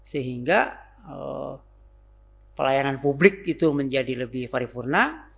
sehingga pelayanan publik itu menjadi lebih paripurna